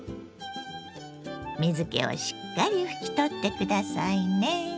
水けをしっかり拭き取って下さいね。